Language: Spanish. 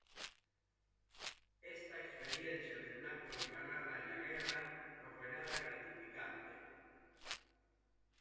Esta experiencia de Blanco Encalada en la guerra no fue nada gratificante.